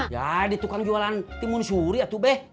ya di tukang jualan timun suri ya tuh beh